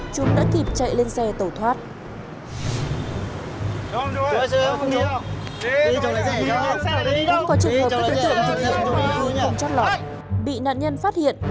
chúng đã kịp chạy lên xe tẩu thoát